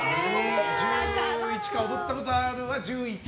踊ったことあるは１１。